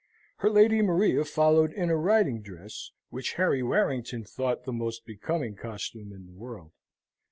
Her Lady Maria followed in a riding dress, which Harry Warrington thought the most becoming costume in the world.